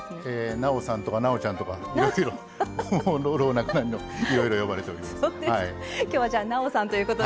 なおさんとかなおちゃんとか、いろいろ老若男女呼ばれております。